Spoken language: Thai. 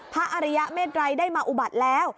อริยเมตรัยได้มาอุบัติแล้ว